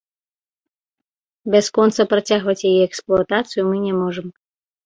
Бясконца працягваць яе эксплуатацыю мы не можам.